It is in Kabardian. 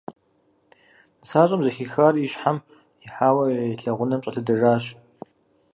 Нысащӏэм, зэхихар и щхьэм ихьауэ, и лэгъунэм щӏэлъэдэжащ.